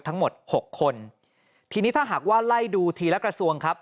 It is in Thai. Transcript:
ทั้งหมดหกคนทีนี้ถ้าหากว่าไล่ดูทีละกระทรวงครับ